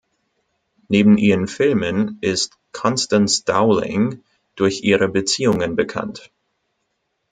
Neben ihren Filmen ist Constance Dowling durch ihre Beziehungen bekannt.